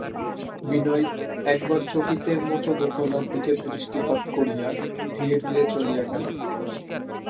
বিনয় একবার চকিতের মতো দোতলার দিকে দৃষ্টিপাত করিয়া ধীরে ধীরে চলিয়া গেল।